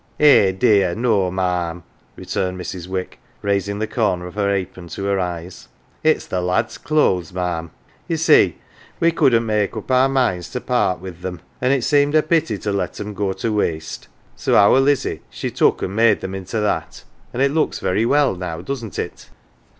" Eh, dear no, ma'am," returned Mrs. Wick, raising the corner of her apron to her eyes, " it's the lads 1 clothes, ma'am. Ye see we couldn't make up our minds to part with them, an' it seemed a pity to let 'em 212 HERE AND THERE go to waste, so our Lizzie she took and made them into that, and it looks very well now, doesn't it